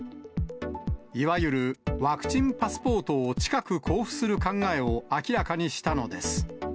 いわゆるワクチンパスポートを、近く交付する考えを明らかにしたのです。